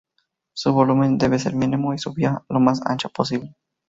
Su volumen debe ser mínimo y su vía lo más ancha posible.